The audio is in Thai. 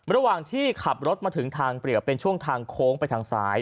ระหว่างที่ขับรถมาถึงทางเปรียบเป็นช่วงทางโค้งไปทางซ้าย